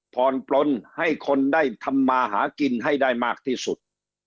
ผ่อนปลนให้คนได้ทำมาหากินให้ได้มากที่สุด